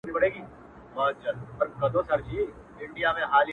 هغه نجلۍ په ما د ډيرو خلکو مخ خلاص کړئ؛